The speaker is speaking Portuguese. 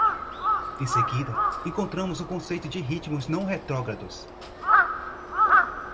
Em seguida, encontramos o conceito de ritmos não retrógrados.